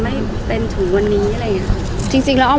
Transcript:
ภาษาสนิทยาลัยสุดท้าย